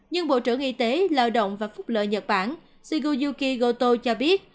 nhưng bộ trưởng y tế lợi động và phúc lợi nhật bản shigoyuki goto cho biết